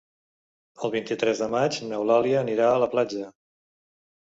El vint-i-tres de maig n'Eulàlia anirà a la platja.